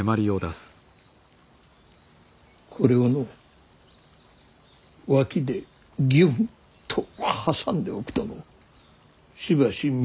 これをの脇でぎゅんっと挟んでおくとのしばし脈が止まるのだ。